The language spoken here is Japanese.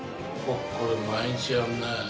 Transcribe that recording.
これ、毎日やるね。